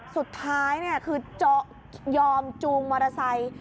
สุดท้ายคือยอมจูงมอเตอร์ไซค์